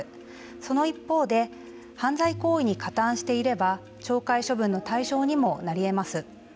その一方で犯罪行為に加担していれば懲戒処分の対象にもなりえます。